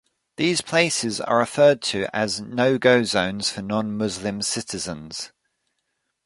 These places are referred to as "No-go Zones" for non-Muslim citizens.